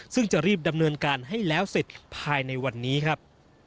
ซึ่งจะรีบดำเนินการให้แล้วเสร็จภายในวันนี้ครับ